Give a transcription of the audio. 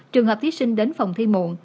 trường hợp thí sinh đến phòng thi muộn